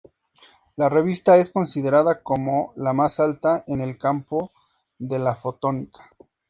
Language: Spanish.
La revista es considerada como la más alta en el campo de la fotónica.